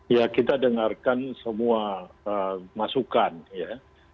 ya kita dengarkan semua masukan ya